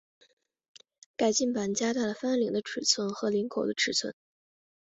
改进版加大了翻领的尺寸与领口尺寸。